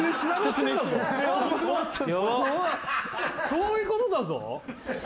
そういうことだぞ。